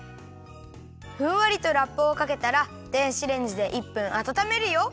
ふんわりとラップをかけたら電子レンジで１分あたためるよ。